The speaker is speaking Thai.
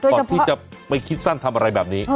ก่อนที่จะไปคิดสั้นทำอะไรแบบนี้